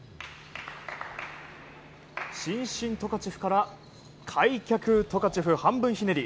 伸身トカチェフから開脚トカチェフ半分ひねり。